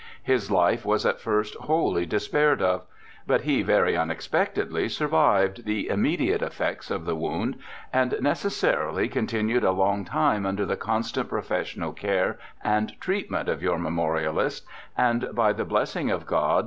His life was at first wholly despaired of, but he very unexpectedly survived the immediate effects of the wound, and necessarily continued a long time under the constant professional care and treatment of your ' Statement of G. G.